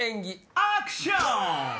・アクション！